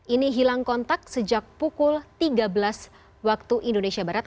ini hilang kontak sejak pukul tiga belas waktu indonesia barat